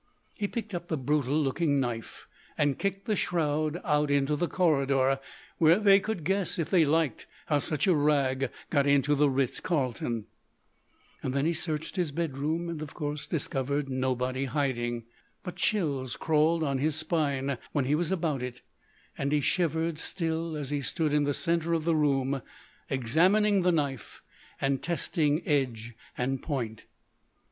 He picked up the brutal looking knife and kicked the shroud out into the corridor, where they could guess if they liked how such a rag got into the Ritz Carlton. Then he searched his bedroom, and, of course, discovered nobody hiding. But chills crawled on his spine while he was about it, and he shivered still as he stood in the centre of the room examining the knife and testing edge and point.